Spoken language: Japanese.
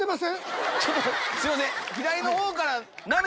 すいません。